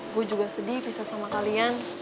gue juga sedih bisa sama kalian